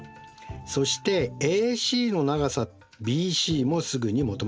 そしてＡＣの長さＢＣもすぐに求まりますよね。